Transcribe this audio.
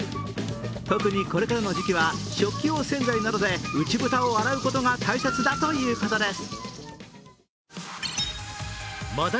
特に、これからの時期は食器用洗剤などで内蓋を洗うことが大切だということです。